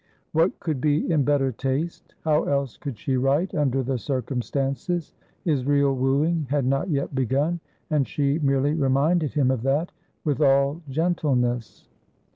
What could be in better taste? How else could she write, under the circumstances? His real wooing had not yet begun, and she merely reminded him of that, with all gentleness.